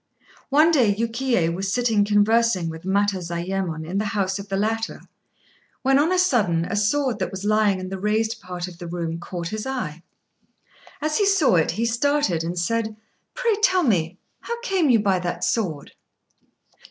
One day Yukiyé was sitting conversing with Matazayémon in the house of the latter, when, on a sudden, a sword that was lying in the raised part of the room caught his eye. As he saw it, he started and said "Pray tell me, how came you by that sword?"